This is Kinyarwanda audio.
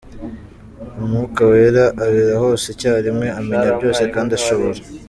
Umwuka Wera, abera hose icyarimwe, amenya byose kandi ashobora.